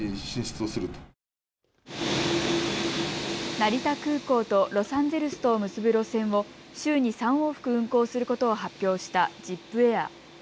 成田空港とロサンゼルスとを結ぶ路線を週に３往復運航することを発表したジップエア。